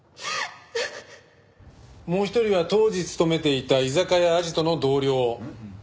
もう一人は当時勤めていた居酒屋あじとの同僚